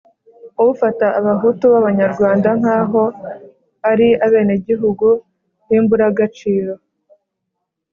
ufata abahutu b'abanyarwanda nk'aho ari abenegihugu b'imburagaciro